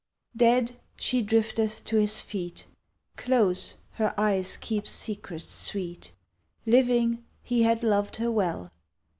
Dead, she drifteth to his feet. Close, her eyes keep secrets sweet. Living, he had loved her well.